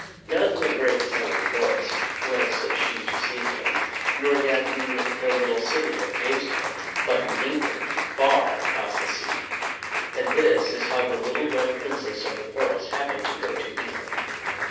Not in the great, silent forests was she to see him, nor yet in the little city of Jamestown, but in England, far across the sea. And this is how the Little Red Princess of the Forest happened to go to England.